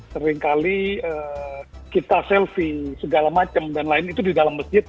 seringkali kita selfie segala macam dan lain itu di dalam masjid